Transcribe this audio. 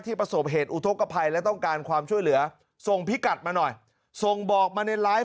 ประสบเหตุอุทธกภัยและต้องการความช่วยเหลือส่งพิกัดมาหน่อยส่งบอกมาในไลฟ์